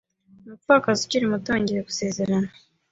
Umupfakazi ukiri muto yongeye gusezerana.